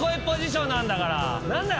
何だよ